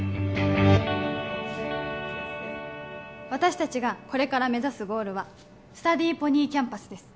私達がこれから目指すゴールはスタディーポニーキャンパスです